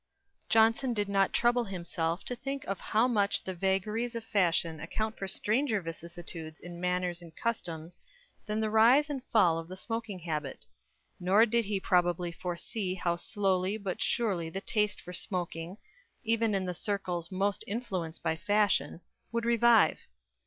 Johnson did not trouble himself to think of how much the vagaries of fashion account for stranger vicissitudes in manners and customs than the rise and fall of the smoking habit; nor did he probably foresee how slowly but surely the taste for smoking, even in the circles most influenced by fashion, would revive.